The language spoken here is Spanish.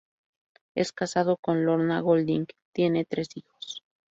Es casado con Lorna Golding y tiene tres hijos.